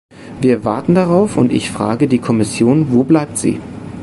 Wir warten darauf, und ich frage die Kommission wo bleibt sie?